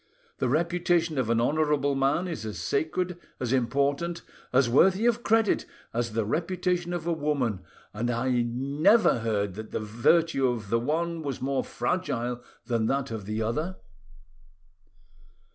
The reputation of an honourable man is as sacred, as important, as worthy of credit as the reputation of a woman, and I never heard that the virtue of the one was more fragile than that of the other."